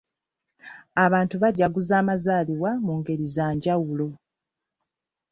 Abantu bajaguza amazaalibwa mu ngeri za njawulo.